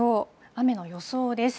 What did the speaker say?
雨の予想です。